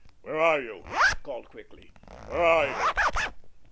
"Where are you?" he called quickly. "Where are you?"